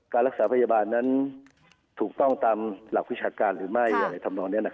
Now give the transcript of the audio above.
การรักษาพยาบาลนั้นถูกต้องตามหลักพิชาการหรือไม่